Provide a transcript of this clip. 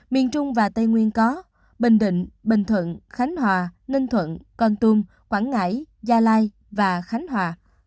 miền trung và tây nguyên có bình định bình thuận khánh hòa ninh thuận con tum quảng ngãi gia lai và khánh hòa